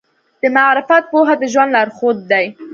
د معرفت پوهه د ژوند لارښود دی.